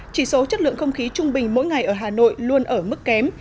chỉ số chất lượng không khí trung bình mỗi ngày ở hà nội luôn ở mức kém